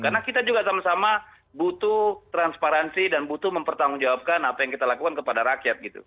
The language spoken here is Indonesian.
karena kita juga sama sama butuh transparansi dan butuh mempertanggungjawabkan apa yang kita lakukan kepada rakyat gitu